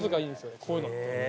こういうのって。